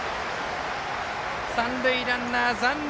三塁ランナー、残塁。